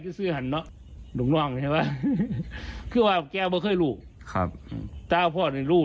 เพราะว่าเคยมีมูอากบอกทุกฟังอยู่